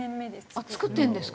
あっ作ってるんですか？